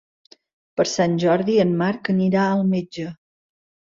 Per Sant Jordi en Marc anirà al metge.